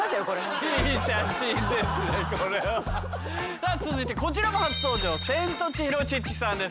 さあ続いてこちらもセントチヒロ・チッチです。